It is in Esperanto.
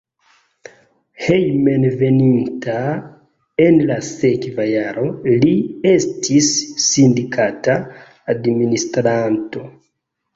Hejmenveninta en la sekva jaro li estis sindikata administranto.